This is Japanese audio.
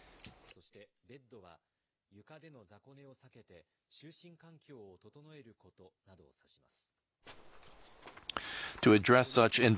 そしてベッドは床での雑魚寝を避けて就寝環境を整えることなどを指します。